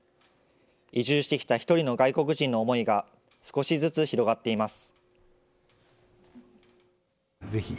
移住してきた一人の外国人の思いが、少しずつ広がっています。